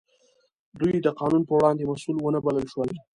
دوی د قانون په وړاندې مسوول ونه بلل شول.